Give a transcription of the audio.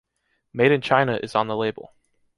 Made in China is on the label.